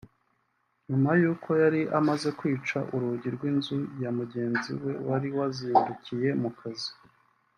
nyuma y’uko yari amaze kwica urugi rw’inzu ya mugenzi we wari wazindukiye mu kazi